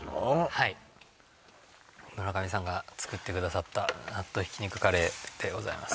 はい村上さんが作ってくださったナット・挽肉カレーでございます